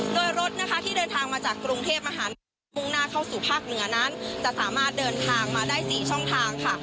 โดยรถนะคะที่เดินทางมาจากกรุงเทพมหานครมุ่งหน้าเข้าสู่ภาคเหนือนั้นจะสามารถเดินทางมาได้๔ช่องทางค่ะ